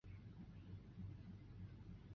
周日应该没问题，周六的话，时间会有点紧。